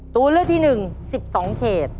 ตัวเลือกที่หนึ่ง๑๒เขต